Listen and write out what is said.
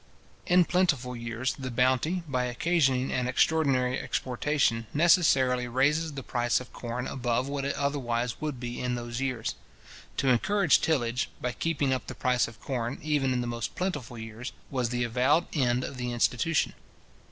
In plentiful years, the bounty, by occasioning an extraordinary exportation, necessarily raises the price of corn above what it otherwise would be in those years. To encourage tillage, by keeping up the price of corn, even in the most plentiful years, was the avowed end of the institution.